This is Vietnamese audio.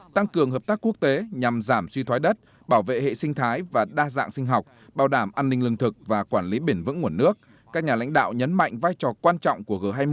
tăng cường hợp tác quốc tế nhằm giảm suy thoái đất bảo vệ hệ sinh thái và đa dạng sinh học